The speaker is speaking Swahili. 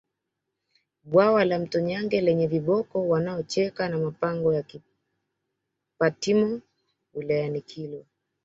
Bwawa la Mto Nyange lenye viboko wanaocheka na mapango ya Kipatimo wilayani Kilwa